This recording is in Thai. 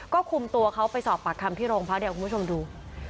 ก็คุมตัวเขาไปสอบปากคำที่โรงพักเดี๋ยวคุณผู้ชมดู